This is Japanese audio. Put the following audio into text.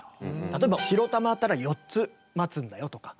例えば白玉あったら４つ待つんだよとか。